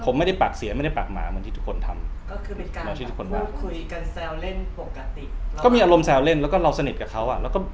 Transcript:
ผมไม่ได้ปากเสียไม่ได้ปากหมาเหมือนที่ทุกคนทำก็คือมีการคุยกันแซวเล่นปกติก็มีสันอาลมแซวเล่นแล้วก็เราสนิทกับเขานะ